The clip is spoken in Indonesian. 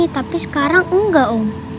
tapi sekarang enggak om